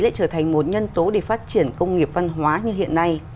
lại trở thành một nhân tố để phát triển công nghiệp văn hóa như hiện nay